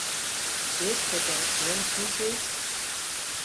ايڪ چڪر ايم ڇُون ڪي